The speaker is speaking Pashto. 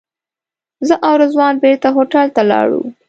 زه او رضوان بېرته هوټل ته لاړو.